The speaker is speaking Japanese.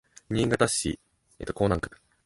新潟市江南区